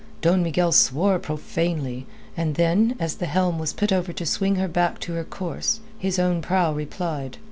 Don Miguel swore profanely, and then, as the helm was put over to swing her back to her course, his own prow replied.